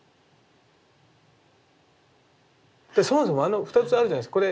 そもそもあの２つあるじゃないですか